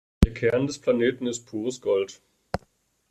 Der Kern des Planeten ist pures Gold.